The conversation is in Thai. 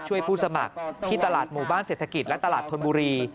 ผู้สมัครที่ตลาดหมู่บ้านเศรษฐกิจและตลาดธนบุรี